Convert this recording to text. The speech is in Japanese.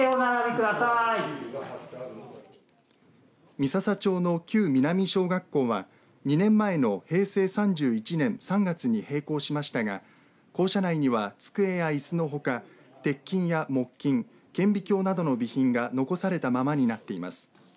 三朝町の旧南小学校は２年前の平成３１年３月に閉校しましたが校舎内には机やいすのほか鉄琴や木琴顕微鏡などの備品が残されたままになっています。